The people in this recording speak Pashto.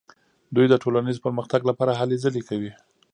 دوی د ټولنیز پرمختګ لپاره هلې ځلې کوي.